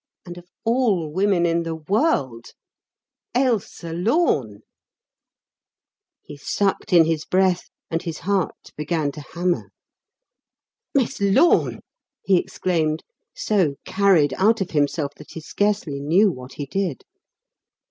And of all women in the world Ailsa Lorne! He sucked in his breath and his heart began to hammer. "Miss Lorne!" he exclaimed, so carried out of himself that he scarcely knew what he did.